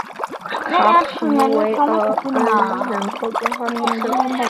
卡普韦尔恩人口变化图示